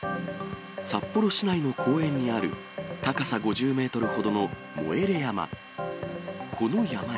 札幌市内の公園にある高さ５０メートルほどのモエレ山。